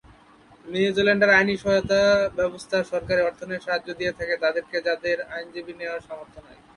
নিউজিল্যান্ডের আইনি সহায়তা ব্যবস্থা সরকারি অর্থায়নে সাহায্য দিয়ে থাকে তাদেরকে যাদের আইনজীবী নেয়ার সামর্থ্য নেই।